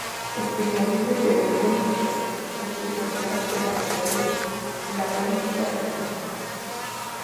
Especialista en Teoría Política, su especialidad era Maquiavelo y la política renacentista.